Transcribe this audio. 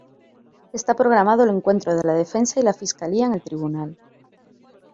Está programado el encuentro de la defensa y la Fiscalía en el tribunal.